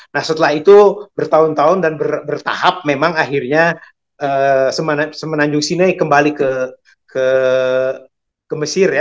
nah setelah itu bertahun tahun dan bertahap memang akhirnya semenanjung sinai kembali ke mesir ya